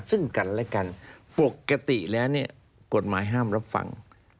ซึ่งกันและกันปกติแล้วเนี่ยกฎหมายห้ามรับฟัง